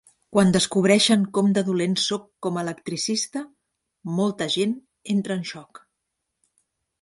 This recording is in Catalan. Quan descobreixen com de dolent sóc com a electricista, molta gent entra en xoc.